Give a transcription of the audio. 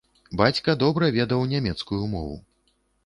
Бацька добра ведаў нямецкую мову.